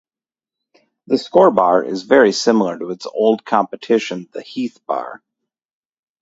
The Skor bar is very similar to its old competition the Heath Bar.